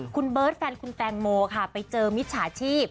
คุณเบิร์ตแฟนคุณแตงโมค่ะไปเจอมิจฉาชีพ